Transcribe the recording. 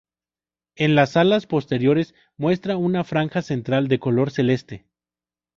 En las alas posteriores muestra una franja central de color celeste.